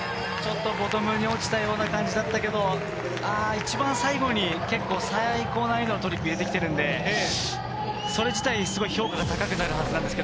ボトムに落ちたような感じだったけど、最後に結構、最高難易度のトリックを入れてきてるので、それ自体は評価が高くなるはずです。